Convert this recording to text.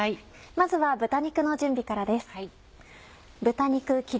まずは豚肉の準備からです。